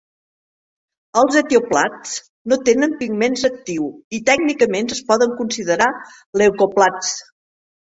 Els etioplasts no tenen pigment actiu i tècnicament es poden considerar leucoplasts.